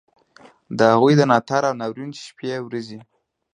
د هغوی د ناتار او ناورین شپې ورځي.